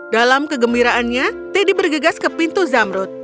dalam kegembiraannya teddy bergegas ke pintu zamrut